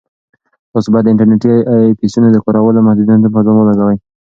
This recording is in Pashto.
تاسو باید د انټرنیټي ایپسونو د کارولو محدودیتونه په ځان ولګوئ.